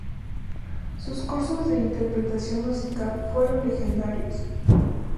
Sus cursos de interpretación musical fueron legendarios.